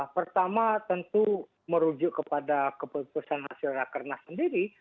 pertama tentu merujuk kepada keputusan hasil rakernas sendiri